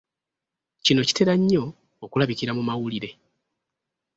Kino kitera nnyo okulabikira mu mawulire.